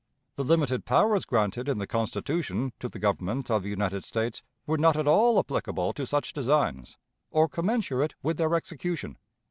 The limited powers granted in the Constitution to the Government of the United States were not at all applicable to such designs, or commensurate with their execution.